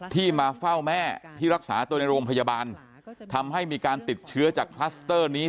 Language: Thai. ที่มาเฝ้าแม่ที่รักษาตัวในโรงพยาบาลทำให้มีการติดเชื้อจากคลัสเตอร์นี้